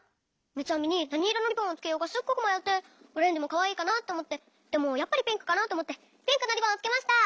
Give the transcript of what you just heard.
みつあみになにいろのリボンをつけようかすっごくまよってオレンジもかわいいかなっておもってでもやっぱりピンクかなっておもってピンクのリボンをつけました。